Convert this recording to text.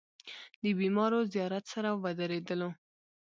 د بېمارو زيارت سره ودرېدلو.